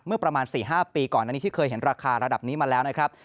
ประมาณ๔๕ปีก่อนอันนี้ที่เคยเห็นราคาระดับนี้มาแล้วนะครับ